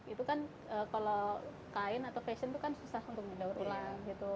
itu kan kalau kain atau fashion itu kan susah untuk didaur ulang gitu